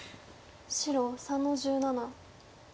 白３の十七。